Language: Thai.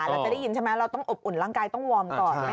เราจะได้ยินใช่ไหมเราต้องอบอุ่นร่างกายต้องวอร์มก่อน